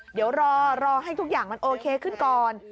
เดี๋ยวรอให้ทุกอย่างมันโอเคขึ้นก่อน